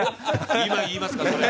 今言いますかそれ。